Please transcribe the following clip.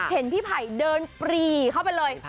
เห็นพี่ไผ่เดินปรีเข้าไปเลย